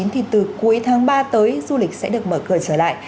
thì từ cuối tháng ba tới du lịch sẽ được mở cửa trở lại